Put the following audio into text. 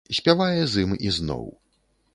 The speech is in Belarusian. Спявае з ім ізноў.